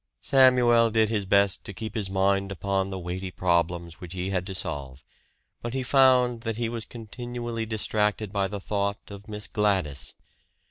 Samuel did his best to keep his mind upon the weighty problems which he had to solve; but he found that he was continually distracted by the thought of Miss Gladys.